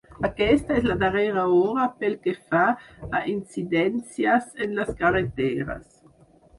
Aquesta és la darrera hora pel que fa a incidències en les carreteres.